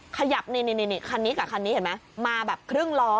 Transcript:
ขยับนี่คันนี้กับคันนี้เห็นไหมมาแบบครึ่งล้อ